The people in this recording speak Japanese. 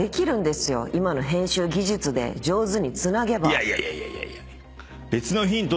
いやいやいやいやいやいや。